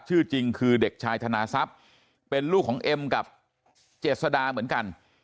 ชื่อจริงคือเด็กชายธนาทรัพย์เป็นลูกของเอ็มกับเจษดาเหมือนกัน